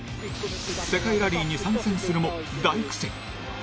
世界ラリーに参戦するも大苦戦。